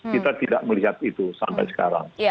kita tidak melihat itu sampai sekarang